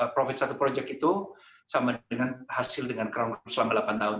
profit satu project itu sama dengan hasil dengan crown selama delapan tahun